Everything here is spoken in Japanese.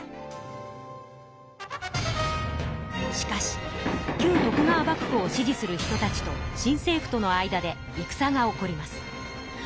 しかし旧徳川幕府を支持する人たちと新政府との間でいくさが起こります。